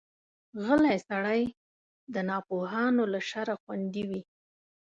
غلی سړی، د ناپوهانو له شره خوندي وي.